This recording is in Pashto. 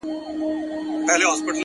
د ټپې په اله زار کي يې ويده کړم!